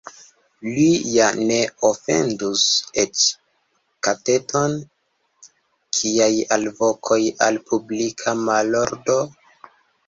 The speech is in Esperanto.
Li ja ne ofendus eĉ kateton, kiaj alvokoj al publika malordo?